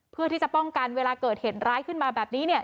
เพื่อที่จะป้องกันเวลาเกิดเหตุร้ายขึ้นมาแบบนี้